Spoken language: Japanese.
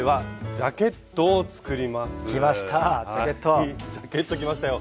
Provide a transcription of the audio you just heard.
ジャケットきましたよ！